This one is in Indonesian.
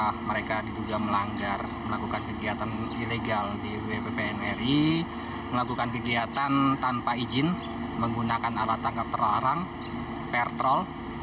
kepala kapal tersebut juga melanggar melakukan kegiatan ilegal di wppnri melakukan kegiatan tanpa izin menggunakan alat tangkap trol orang per trol